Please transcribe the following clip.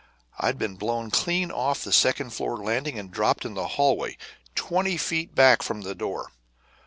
I'd been blown clean off the second floor landing and dropped in the hallway, twenty feet back from the door.